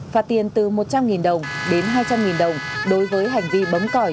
phạt tiền từ một trăm linh đồng đến hai trăm linh đồng đối với hành vi bấm còi